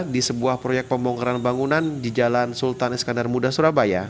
di sebuah proyek pembongkaran bangunan di jalan sultan iskandar muda surabaya